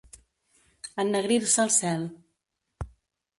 Ennegrir-se el cel.